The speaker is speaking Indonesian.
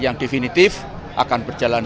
yang definitif akan berjalan